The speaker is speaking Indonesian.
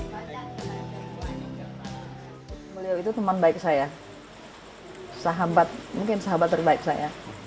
beliau itu teman baik saya sahabat mungkin sahabat terbaik saya